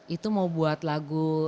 itu mau buat lagu